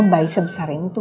bayi sebesar ini tuh